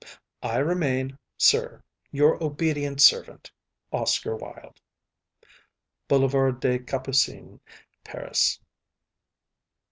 I remain, Sir, your obedient servant, OSCAR WILDE. BOULEVARD DES CAPUCINES, PARIS.